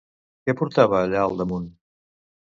Què portava ella al damunt?